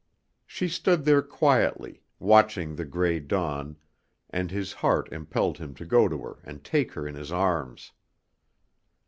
She stood there quietly, watching the gray dawn, and his heart impelled him to go to her and take her in his arms.